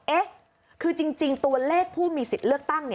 เอ๊ะคือจริงตัวเลขผู้มีสิทธิ์เลือกตั้ง